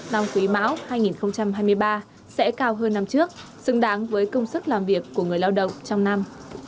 năm quý mão hai nghìn hai mươi ba sẽ cao hơn năm trước xứng đáng với công sức làm việc của người lao động trong năm